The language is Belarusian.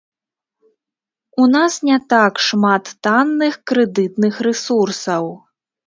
У нас не так шмат танных крэдытных рэсурсаў.